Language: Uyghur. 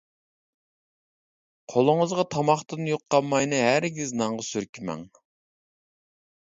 قولىڭىزغا تاماقتىن يۇققان ماينى ھەرگىز نانغا سۈركىمەڭ.